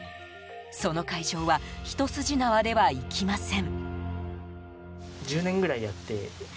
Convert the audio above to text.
その開錠はひと筋縄ではいきません。